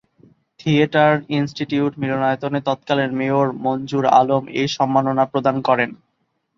Theatre institute মিলনায়তনে তৎকালীন mayor Manjur Alam এ সম্মাননা প্রদান করেন।